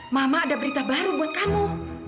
mama ada berita baru buat kamu